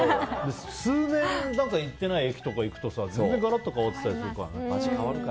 数年行ってない駅とか行くと全然ガラッと変わってたりするからね。